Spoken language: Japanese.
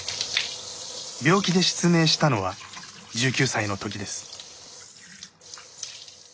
病気で失明したのは１９歳のときです。